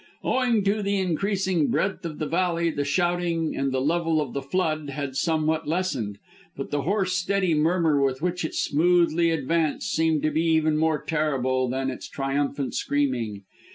Owing to the increasing breadth of the valley the shouting and the level of the flood had somewhat lessened, but the hoarse, steady murmur with which it smoothly advanced seemed to be even more terrible than its triumphant screaming.